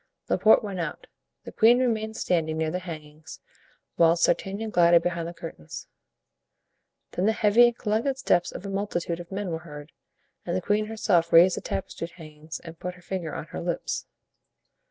Laporte went out; the queen remained standing near the hangings, whilst D'Artagnan glided behind the curtains. Then the heavy and collected steps of a multitude of men were heard, and the queen herself raised the tapestry hangings and put her finger on her lips.